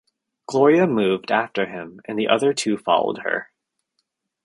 Gloria moved after him and the other two followed her.